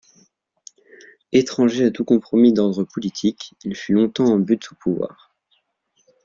Étranger à tout compromis d’ordre politique, il fut longtemps en butte au pouvoir.